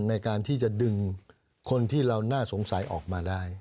ในการที่จะดึงคนที่เราน่าสงสัยออกมาได้